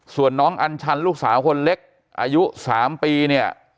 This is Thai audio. ส่วนน้องอัญชันลูกสาวคนเล็กอายุ๓ปีเนี่ย